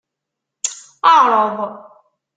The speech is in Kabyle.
Ɛreḍ!